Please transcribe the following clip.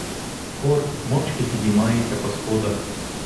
Хор мовчки піднімається по сходах.